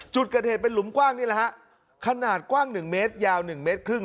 จุดเกิดเหตุเป็นหลุมกว้างนี่แหละฮะขนาดกว้างหนึ่งเมตรยาว๑เมตรครึ่ง